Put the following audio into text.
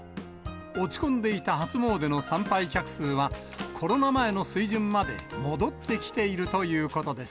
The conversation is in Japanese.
落ち込んでいた初詣の参拝客数は、コロナ前の水準にまで戻ってきているということです。